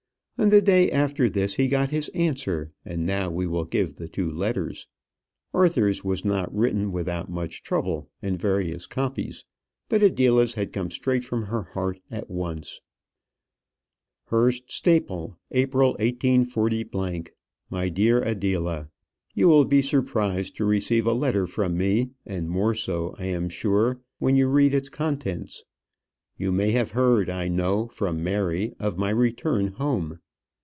On the day after this he got his answer; and now we will give the two letters. Arthur's was not written without much trouble and various copies; but Adela's had come straight from her heart at once. Hurst Staple, April, 184 . My dear Adela, You will be surprised to receive a letter from me, and more so, I am sure, when you read its contents. You have heard, I know, from Mary, of my return home.